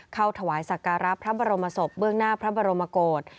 ถวายสักการะพระบรมศพเบื้องหน้าพระบรมโกศ